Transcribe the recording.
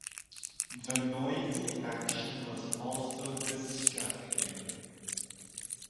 The noisy action was also distracting.